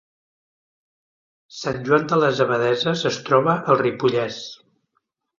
Sant Joan de les Abadesses es troba al Ripollès